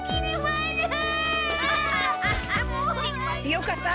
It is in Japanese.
よかった！